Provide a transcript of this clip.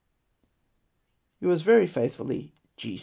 Yours very fiiithfully, G.